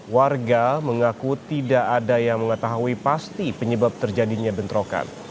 warga mengaku tidak ada yang mengetahui pasti penyebab terjadinya bentrokan